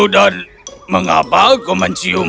dan mengapa kau mencium